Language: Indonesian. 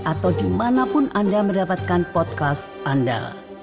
atau dimanapun anda mendapatkan podcast anda